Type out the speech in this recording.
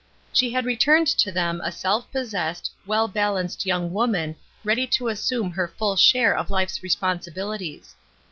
She had returned to them a self possessed, well balanced young woman ready to assume her full share of hfe's responsibihties.